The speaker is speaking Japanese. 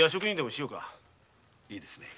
いいですね。